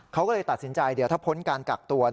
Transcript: เขาก็เลยตัดสินใจเดี๋ยวถ้าพ้นการกักตัว